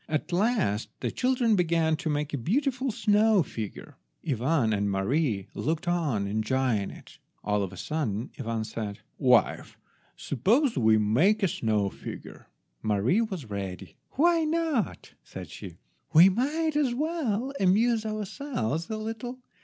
At last the children began to make a beautiful snow figure. Ivan and Mary looked on enjoying it. All of a sudden Ivan said— "Wife, suppose we make a snow figure?" Mary was ready. "Why not?" said she; "we might as well amuse ourselves a little.